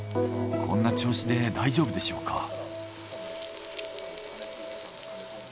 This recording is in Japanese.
こんな調子で大丈夫でしょうか？